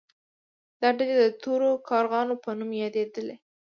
دا ډلې د تورو کارغانو په نوم یادیدلې.